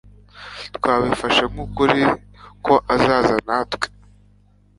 Twabifashe nkukuri ko azaza natwe